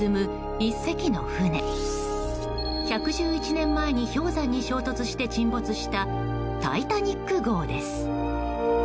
１１１年前に氷山に衝突して沈没した「タイタニック号」です。